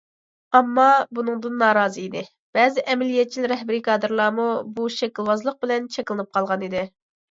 ئامما بۇنىڭدىن نارازى ئىدى، بەزى ئەمەلىيەتچىل رەھبىرىي كادىرلارمۇ بۇ شەكىلۋازلىق بىلەن چەكلىنىپ قالغانىدى.